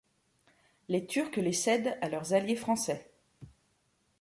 Les Turcs les cèdent à leurs alliés Français.